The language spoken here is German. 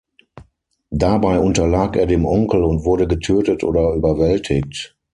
Dabei unterlag er dem Onkel und wurde getötet oder überwältigt.